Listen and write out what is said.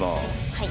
はい。